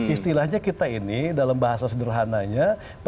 istilahnya kita ini dalam bahasa sederhananya